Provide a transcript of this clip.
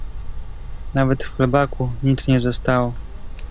Nawet w chlebaku nic nie zostało.